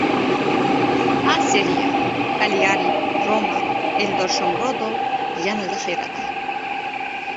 A Seriya. "Kalyari" – "Roma". Eldor Shomurodov yana zaxirada